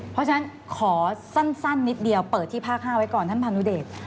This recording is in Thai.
เพราะฉะนั้นขอสั้นนิดเดียวเปิดที่ภาค๕ไว้ก่อนท่านพานุเดช